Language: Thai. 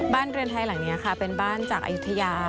เรือนไทยหลังนี้ค่ะเป็นบ้านจากอายุทยา